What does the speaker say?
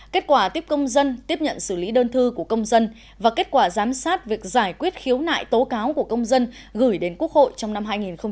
kết quả tiếp công dân tiếp nhận xử lý đơn thư của công dân và kết quả giám sát việc giải quyết khiếu nại tố cáo của công dân gửi đến quốc hội trong năm hai nghìn hai mươi